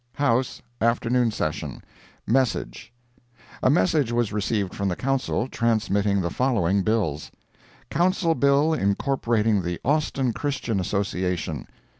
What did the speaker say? ] HOUSE—AFTERNOON SESSION MESSAGE A message was received from the Council, transmitting the following bills: Council bill incorporating the Austin Christian Association.